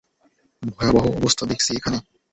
ভয়াবহ অবস্থা দেখছি এখানে!